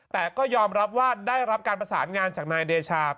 แต่ก็ยอมรับว่าได้รับการประสานงานจากนายเดชา